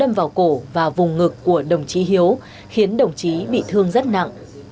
đâm vào cổ và vùng ngực của đồng chí hiếu khiến đồng chí bị thương rất nặng